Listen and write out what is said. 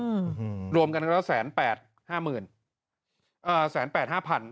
อืมรวมกันก็แสนแปดห้าหมื่นเอ่อแสนแปดห้าพัน